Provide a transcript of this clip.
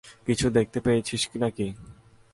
কিছু দেখতে পেয়েছিস নাকি?